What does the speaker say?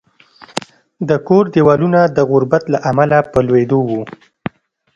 د کور دېوالونه د غربت له امله په لوېدو وو